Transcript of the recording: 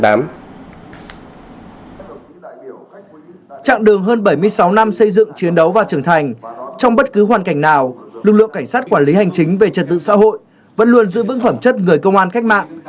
trạng đường hơn bảy mươi sáu năm xây dựng chiến đấu và trưởng thành trong bất cứ hoàn cảnh nào lực lượng cảnh sát quản lý hành chính về trật tự xã hội vẫn luôn giữ vững phẩm chất người công an cách mạng